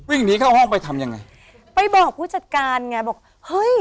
วิ่งหนีเข้าห้องไปทำยังไงไปบอกผู้จัดการไงบอกเฮ้ย